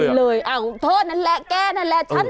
ไม่ยอมกันเลยท่นนั้นแหละแกนั้นแหละชั้นนั้นแหละ